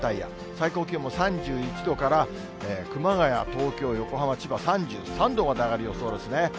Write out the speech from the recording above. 最高気温も３１度から、熊谷、東京、横浜、千葉、３３度まで上がる予想ですね。